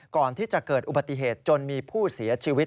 ก่อนที่จะเกิดอุบัติเหตุจนมีผู้เสียชีวิต